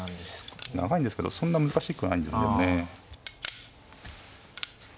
長いんですけどそんな難しくはないじゃでもね。